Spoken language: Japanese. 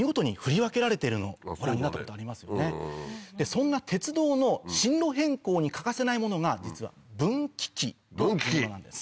そんな鉄道の進路変更に欠かせないものが実は分岐器というものなんです。